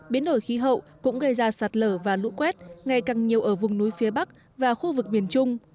biến đổi khí hậu cũng gây ra sạt lở và lũ quét ngày càng nhiều ở vùng núi phía bắc và khu vực miền trung